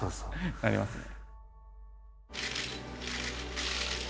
なりますね。